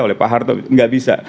oleh pak harto nggak bisa